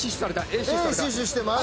Ａ死守してます。